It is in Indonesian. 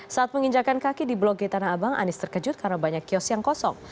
saat menginjakan kaki di blok g tanah abang anies terkejut karena banyak kios yang kosong